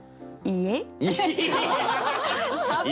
「いいえ」。